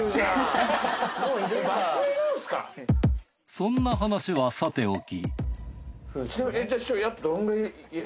そんな話はさておき